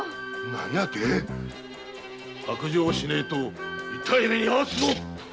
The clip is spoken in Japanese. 何やて⁉白状しねえと痛い目に遭わせるぞ！